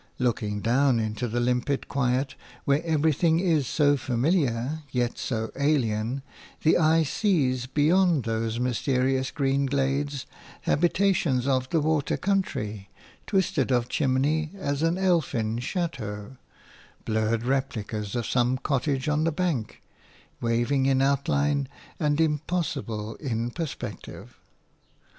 Looking down into the limpid quiet, where everything is so familiar, yet so alien, the eye sees, beyond those mysterious green glades, habitations of the water country, twisted of chimney as an elfin chateau, blurred replicas of some cottage on the bank, wavering in outline and impossible in perspective.